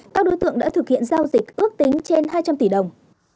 các đối tượng đã thực hiện giao dịch ước tính trên hai trăm linh tỷ đồng